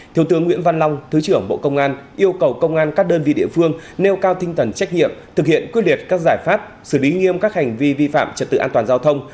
thiếu tướng nguyễn văn long thứ trưởng bộ công an yêu cầu công an các đơn vị địa phương nêu cao tinh thần trách nhiệm thực hiện quyết liệt các giải pháp xử lý nghiêm các hành vi vi phạm trật tự an toàn giao thông